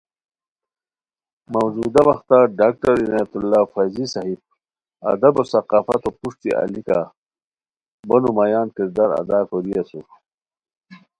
موجودہ وختہ ڈاکٹر عنایت اللہ فیضیؔ صاحب ادب و ثقافتو پروشٹی الیکہ بو نمایان کردار ادا کوری اسور